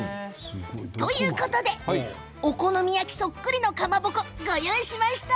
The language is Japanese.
お好み焼きそっくりのかまぼこをご用意しました。